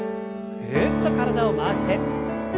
ぐるっと体を回して。